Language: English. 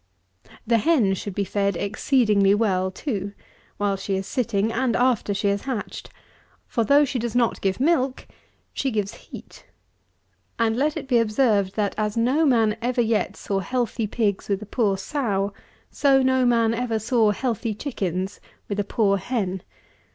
174. The hen should be fed exceedingly well, too, while she is sitting and after she has hatched; for though she does not give milk, she gives heat; and, let it be observed, that as no man ever yet saw healthy pigs with a poor sow, so no man ever saw healthy chickens with a poor hen.